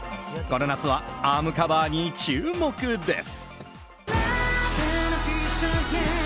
この夏はアームカバーに注目です。